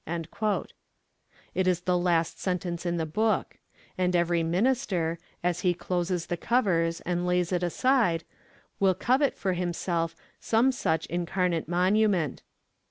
_' It is the last sentence in the book; and every minister, as he closes the covers and lays it aside, will covet for himself some such incarnate monument.